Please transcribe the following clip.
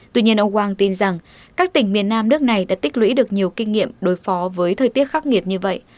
tuy nhiên ông wang tin rằng các tỉnh miền nam nước này đã tích lũy được nhiều kinh nghiệm đối phó với thời tiết khắc nghiệt như vậy